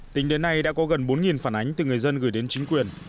tính đến nay đã có gần bốn phản ánh từ người dân gửi đến chính quyền